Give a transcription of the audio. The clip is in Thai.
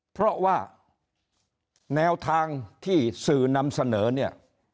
เพราะว่าแนวทางที่สื่อนำเสนอเนี่ย